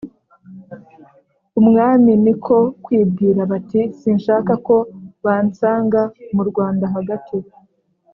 umwami niko kwibwira bati: “sinshaka ko bansanga mu rwanda hagati,